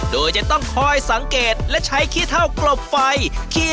โดยจะต้องคอยสังเกตและใช้ขี้เท่ากลบไฟ